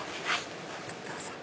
どうぞ。